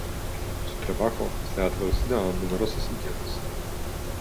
Su trabajo se ha traducido a numerosos idiomas.